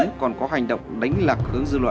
chiến và tuấn còn có hành động đánh lạc hướng dư luận